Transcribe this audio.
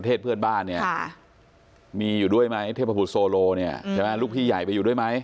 เทพภพุทธโซโลเนี่ยลูกพี่ใหญ่ไปอยู่ด้วยไหม